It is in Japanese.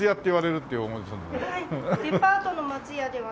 デパートの松屋ではなく。